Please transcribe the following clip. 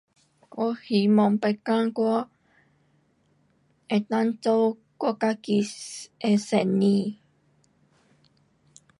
我希望别天我能够做我自己的生意。